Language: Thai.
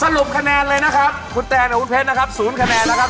สรุปคะแนนเลยนะครับคุณแตนกับคุณเพชรนะครับ๐คะแนนแล้วครับ